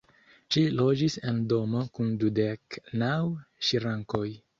Ŝi loĝis en domo kun dudek naŭ ŝrankoj.